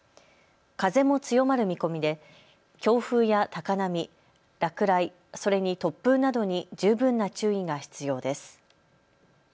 風も強まる見込みで強風や高波、落雷、それに突風などに十分な注意が必要です。